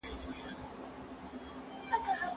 سست خلګ هېڅکله په کوم ګټور کار نه يي بوخت.